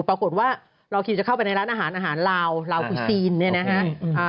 ปรากฏว่าเราขี่จะเข้าไปในร้านอาหารอาหารลาวลาวคือซีนเนี่ยนะฮะ